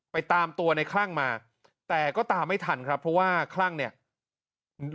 ตามตัวในคลั่งมาแต่ก็ตามไม่ทันครับเพราะว่าคลั่งเนี่ย